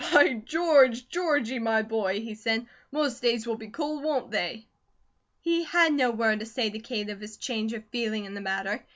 "By George, Georgie, my boy," he said, "most days will be cold, won't they?" He had no word to say to Kate of his change of feeling in the matter.